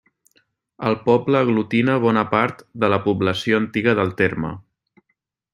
El poble aglutina bona part de la població antiga del terme.